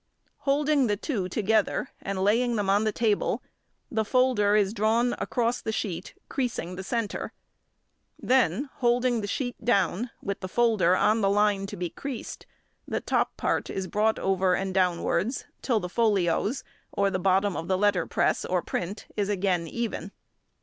Holding the two together and laying them on the table the folder is drawn across the sheet, creasing the centre; then, holding the sheet down with the folder on the line to be creased, the top part is brought over and downwards till the folios or the bottom of the letterpress or print is again even.